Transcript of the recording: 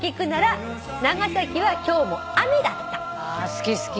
好き好き。